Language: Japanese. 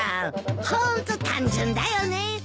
ホーント単純だよね。